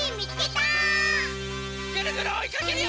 ぐるぐるおいかけるよ！